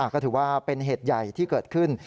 ก็ถือว่าเป็นเหตุใหญ่ที่เกิดขึ้น